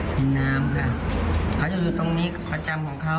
เป็นน้ำค่ะเขาจะอยู่ตรงนี้ประจำของเขา